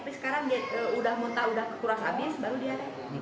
tapi sekarang udah muntah udah kekuras abis baru diare